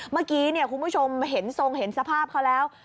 เมื่อกี้คุณผู้ชมเห็นทรงเห็นสภาพเขาแล้ว